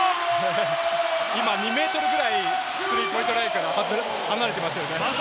今、２ｍぐらいスリーポイントラインから離れてましたけれどもね。